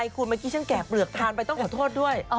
คุณเมื่อกี้ฉันแก่เปลือกทานไปต้องขอโทษด้วย